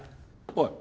おい。